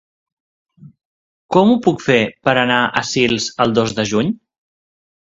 Com ho puc fer per anar a Sils el dos de juny?